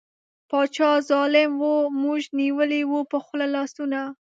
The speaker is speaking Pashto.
باچا ظالیم وو موږ نیولي وو په خوله لاسونه